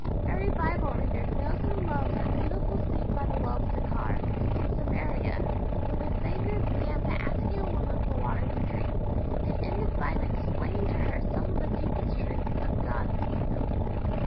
Every Bible reader knows and loves that beautiful scene by the well of Sychar, in Samaria, where the Saviour began by asking a woman for water to drink, and ended by explaining to her some of the deepest truths of God's Kingdom.